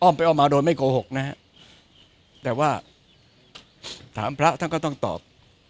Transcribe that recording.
ไปอ้อมมาโดยไม่โกหกนะฮะแต่ว่าถามพระท่านก็ต้องตอบ